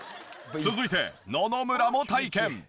続いて野々村も体験。